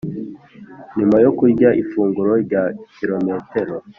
nyuma yo kurya ifunguro rya kilometero